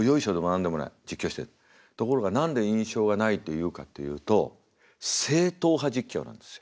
ところが何で印象がないというかっていうと正統派実況なんですよ。